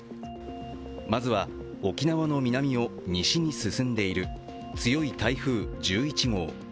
まずは沖縄の南を西に進んでいる強い台風１１号。